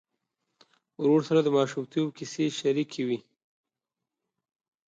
ورور سره د ماشومتوب کیسې شريکې وې.